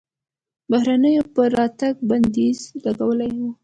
بهرنیانو پر راتګ بندیز لګولی و.